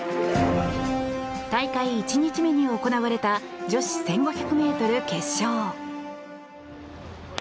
大会１日目に行われた女子１５００ｍ決勝。